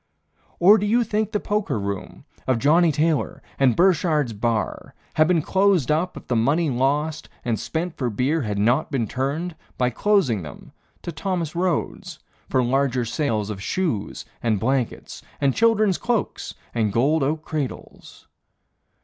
Or do you think the poker room Of Johnnie Taylor, and Burchard's bar Had been closed up if the money lost And spent for beer had not been turned, By closing them, to Thomas Rhodes For larger sales of shoes and blankets, And children's cloaks and gold oak cradles?